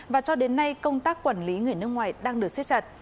và cho đến nay công tác quản lý người nước ngoài đang được xếp chặt